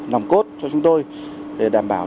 nòng cốt cho chúng tôi để đảm bảo